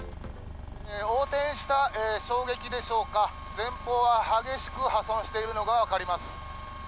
横転した衝撃でしょうか、前方は激しく破損しているのが分かります。